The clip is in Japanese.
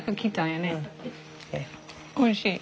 おいしい。